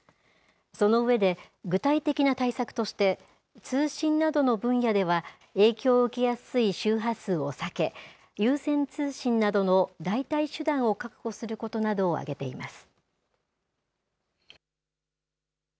その上で、具体的な対策として、通信などの分野では影響を受けやすい周波数を避け、有線通信などの代替手段を確保することなどを挙げています。